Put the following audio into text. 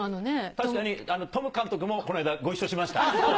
確かに、トム監督も、この間ご一緒しました。